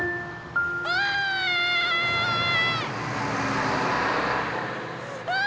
おい！